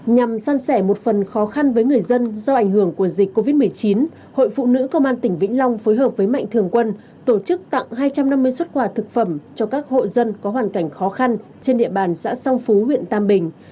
nhằm san sẻ một phần khó khăn với người dân do ảnh hưởng của dịch covid một mươi chín hội phụ nữ công an tỉnh vĩnh long phối hợp với mạnh thường quân tổ chức tặng hai trăm năm mươi xuất quả thực phẩm cho các hộ dân có hoàn cảnh khó khăn trên địa bàn xã song phú huyện tam bình